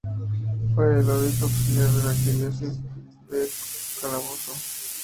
Fue el I Obispo Auxiliar de la Arquidiócesis de Calabozo.